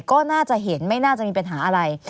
ก็น่าจะเห็นไม่น่าจะมีปัญหาอะไร